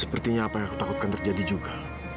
sepertinya apa yang aku takutkan terjadi juga